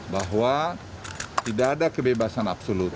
bahwa tidak ada kebebasan absolut